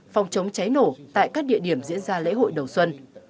phòng chống cháy nổ tại các địa điểm diễn ra lễ hội đầu xuân